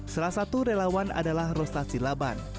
satu relawan adalah rostasi laban